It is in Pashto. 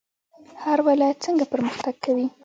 هر ولایت څنګه پرمختګ کوي؟